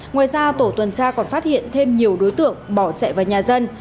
ngoài ra tổ tuần tra còn phát hiện thêm nhiều đối tượng bỏ chạy vào nhà dân